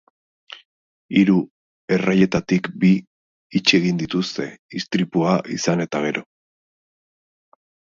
Hiru erreietatik bi itxi egin dituzte, istripua izan eta gero.